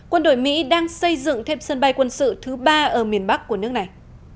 quân đội mỹ đang xây dựng thêm sân bay quân sự thứ ba ở miền bắc của nước này